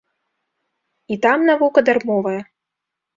І там навука дармовая.